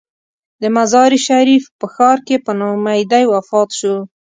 د مزار شریف په ښار کې په نا امیدۍ وفات شو.